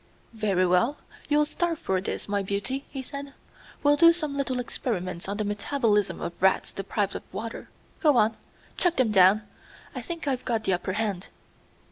"Very well; you'll starve for this, my beauty!" he said. "We'll do some little experiments on the metabolism of rats deprived of water. Go on! Chuck them down! I think I've got the upper hand."